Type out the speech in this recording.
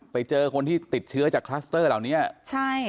ไปเจอคนที่ติดเชื้อจากคลัสเตอร์เหล่านี้ใช่